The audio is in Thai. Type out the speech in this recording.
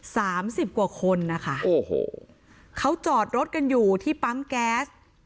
สามสิบกว่าคนนะคะโอ้โหเขาจอดรถกันอยู่ที่ปั๊มแก๊ส